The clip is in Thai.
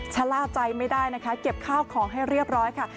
ชะล่าใจไม่ได้นะคะเก็บข้าวของให้เรียบร้อยค่ะ